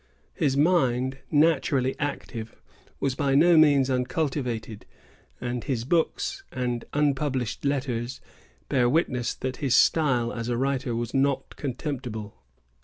His mind, naturally active, was by no means uncultivated; and his books and unpublished letters bear witness that his style as a writer was not contemptible.